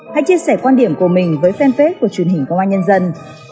hãy chia sẻ quan điểm của mình với fanpage của truyền hình công an nhân dân